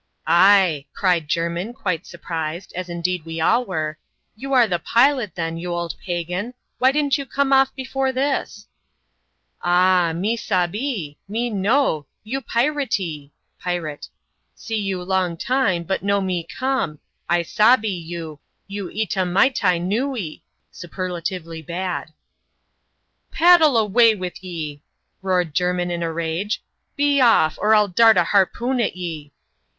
" Ay," cried Jermin, quite surprised, as indeed we all were, "you are the pilot, then, you old pagan. Why did'nt you come <»ffbef(»«this?" Ah ! me sabhee^ — me know— you piratee (pirate) — see you long time, but no me come — I sabbee you — you ita maitai nuce (superlatively bad)." " Paddle away with ye," roared Jermin in a rage ;" be off ; or m dart a harpoon at ye